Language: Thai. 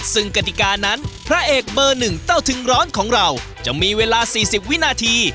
ซึ่งกติกานั้นพระเอกเบอร์๑เต้าถึงร้อนของเราจะมีเวลา๔๐วินาที